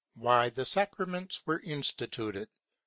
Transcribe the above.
V. Why the Sacraments were instituted.